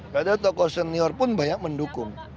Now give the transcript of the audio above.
padahal tokoh senior pun banyak mendukung